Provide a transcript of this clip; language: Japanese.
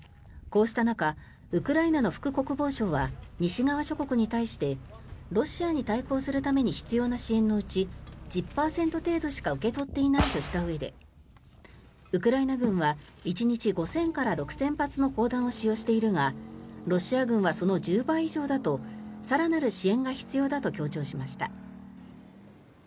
こうした中ウクライナの副国防相は西側諸国に対してロシアに対抗するために必要な支援のうち１０％程度しか受け取っていないとしたうえでウクライナ軍は１日５０００から６０００発の砲弾を使用しているがロシア軍はその１０倍以上だと更なる支援が必要だと強調しました。